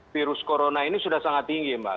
virus corona ini sudah sangat tinggi mbak